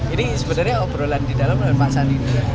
ini sebenarnya obrolan di dalam pak sandi